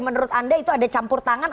menurut anda itu ada campur tangan